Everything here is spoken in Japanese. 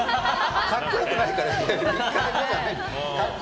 格好良くないから。